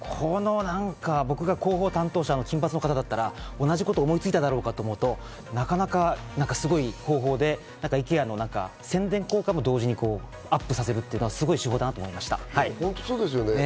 僕が広報担当者の金髪の方だったら、同じことを思いついただろうかと思うと、なかなかすごい方法でイケアの宣伝効果も同時にアップさせるというか、すごい手法だと本当そうですよね。